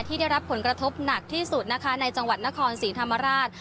ที่ได้รับผลกระทบหนักที่สุดนะคะในจังหวัดนครศรีธรรมราช